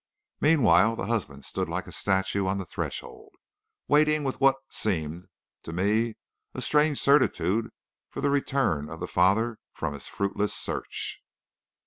Meanwhile the husband stood like a statue on the threshold, waiting with what seemed to me a strange certitude for the return of the father from his fruitless search.